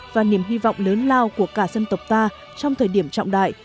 và niềm hy vọng lớn lao của cả dân tộc ta trong thời điểm trọng đại